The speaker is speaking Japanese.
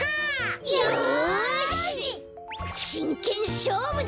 しんけんしょうぶだ！